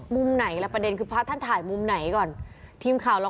วันนี้คือหาว